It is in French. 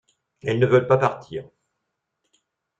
Elles ne veulent pas partir.